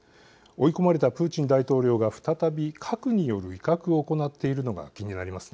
追い込まれたプーチン大統領が再び核による威嚇をはい。